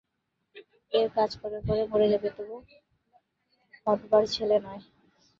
এরা কাজ করে করে মরে যাবে, তবু হটবার ছেলে নয়।